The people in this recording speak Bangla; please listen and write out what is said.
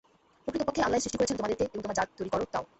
প্রকৃত পক্ষে আল্লাহই সৃষ্টি করেছেন তোমাদেরকে এবং তোমরা যা তৈরি কর তাও।